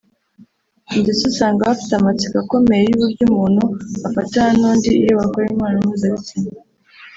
ndetse usanga bafite amatsiko akomeye y’uburyo umuntu afatana n’undi iyo bakora imibonano mpuzabistina